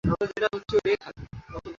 এটি একটি মুক্ত সফটওয়্যার।